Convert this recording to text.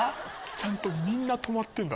ちゃんとみんな止まってるんだ。